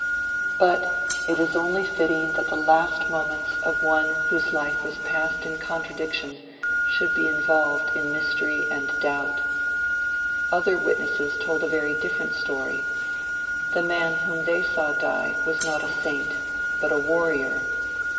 But it is only fitting that the last moments of one whose whole life was passed in contradiction should be involved in mystery and doubt. Other witnesses told a very different story. The man whom they saw die was not a saint but a warrior.